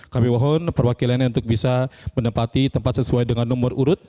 kami mohon perwakilannya untuk bisa menempati tempat sesuai dengan nomor urut